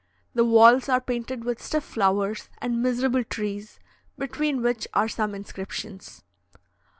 The walls are painted with stiff flowers and miserable trees, between which are some inscriptions.